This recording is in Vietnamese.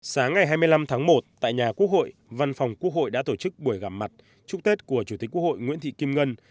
sáng ngày hai mươi năm tháng một tại nhà quốc hội văn phòng quốc hội đã tổ chức buổi gặp mặt chúc tết của chủ tịch quốc hội nguyễn thị kim ngân